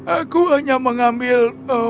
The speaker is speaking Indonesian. aku hanya mengambil